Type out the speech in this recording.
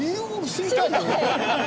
知りたい。